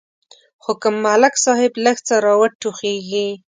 خو که ملک صاحب لږ څه را وټوخېږي.